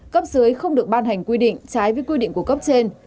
cấp dưới không được ban hành quy định trái với quy định của cấp trên